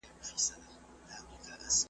پاکې اوبه روغتیا ساتي.